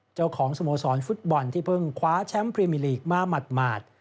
เจ้าของสโมสรฟุตบอลที่เพิ่งคว้าแชมป์พรีมีลีกมามัด